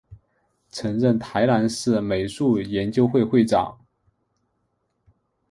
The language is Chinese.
曾任台南市美术研究会会长。